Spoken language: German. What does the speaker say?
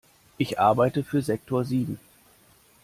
Ich arbeite für Sektor sieben.